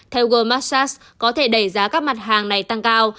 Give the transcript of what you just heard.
theo world massas có thể đẩy giá các mặt hàng này tăng cao